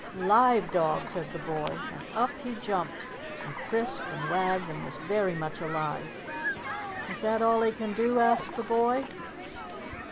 "Live dog!" said the boy, and up he jumped and frisked and wagged and was very much alive. "Is that all he can do?" asked the boy.